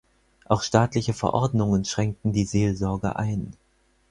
Auch staatliche Verordnungen schränkten die Seelsorge ein.